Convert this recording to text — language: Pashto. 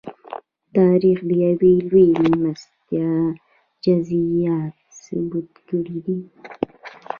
تاریخ د یوې لویې مېلمستیا جزییات ثبت کړي دي.